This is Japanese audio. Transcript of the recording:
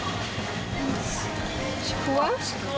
ちくわ。